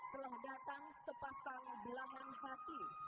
telah datang setepasang bilangan hati